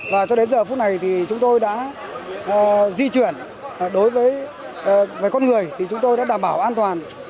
và cho đến giờ phút này thì chúng tôi đã di chuyển đối với con người thì chúng tôi đã đảm bảo an toàn